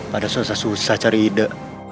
pada susah susah cari ide